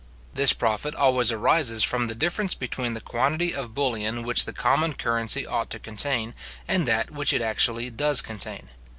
This profit always arises from the difference between the quantity of bullion which the common currency ought to contain and that which it actually does contain.